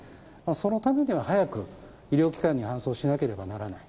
そのためには早く医療機関に搬送しなければならない。